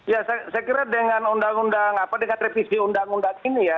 ya saya kira dengan undang undang apa dengan revisi undang undang ini ya